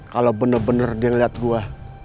kalau bener bener dia ngeliat gue